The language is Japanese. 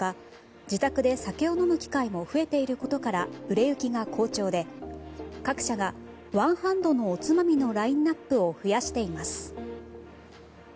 自宅で酒を飲む機会も増えていることから売れ行きも好調で各社が、ワンハンドのおつまみのラインアップを増やしています。